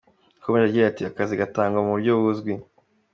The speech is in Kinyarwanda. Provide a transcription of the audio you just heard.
Yakomeje agira ati :" Akazi gatangwa mu buryo buzwi.